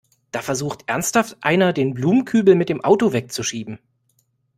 Da versucht ernsthaft einer, den Blumenkübel mit dem Auto wegzuschieben!